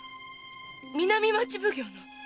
南町奉行の？